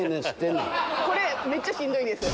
これめっちゃしんどいです。